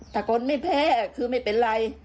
ถ้าคนไม่แพร่คือไม่เป็นไร